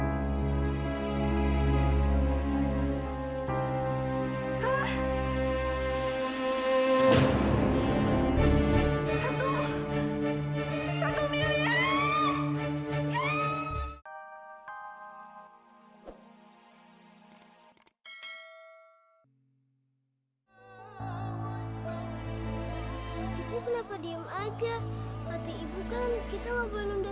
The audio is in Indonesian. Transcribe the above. ibu lagi gak sholat ibu sudah berhalangan